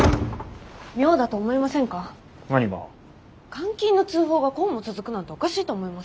監禁の通報がこうも続くなんておかしいと思います。